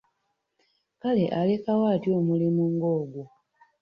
Kale alekawo atya omulimu nga ogwo?